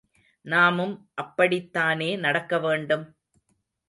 நாமும் அப்படித் தானே நடக்க வேண்டும்?